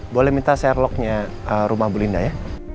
boleh minta share locknya rumah bu linda ya